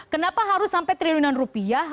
kenapa harus sampai triliunan rupiah